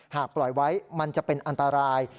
หากปล่อยไว้มันจะเป็นอันตราย